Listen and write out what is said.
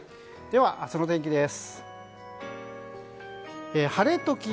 では明日の天気です。